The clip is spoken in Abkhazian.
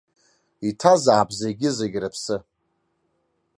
Иҭазаап зегьы-зегь рыԥсы.